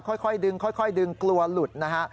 ค่อยดึงค่อยดึงกลัวหลุดนะฮะ